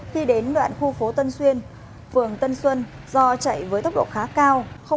khi đến đoạn khu phố tân xuyên phường tân xuân do chạy với tốc độ khá cao